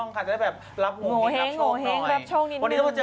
เต็มระมูลด้วย